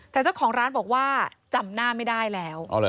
แต่เจ้าของร้านบอกว่าจำหน้าไม่ได้แล้ว